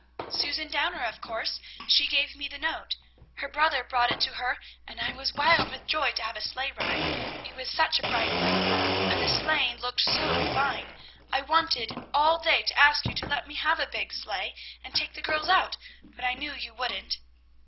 "Susan Downer, of course; she gave me the note. Her brother brought it to her, and I was wild with joy to have a sleigh ride. It was such a bright moon, and the sleighing looked so fine, I wanted all day to ask you to let me have a big sleigh, and take the girls out, but I knew you wouldn't."